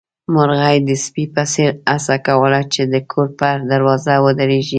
مرغۍ د سپي په څېر هڅه کوله چې د کور پر دروازه ودرېږي.